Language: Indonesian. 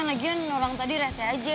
lagian orang tadi rese aja